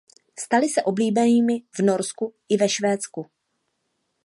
Staly se oblíbenými v Norsku i ve Švédsku.